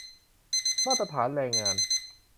มาตรฐานแรงงาน